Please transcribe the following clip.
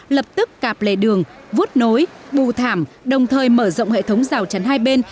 lập tức cạp lề đường vuốt nối bù thảm đồng thời mở rộng hệ thống rào chắn hai bên